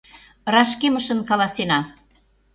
Рашкемышын каласена.